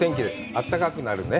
あったかくなるね？